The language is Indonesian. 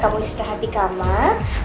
kamu istirahat di kamar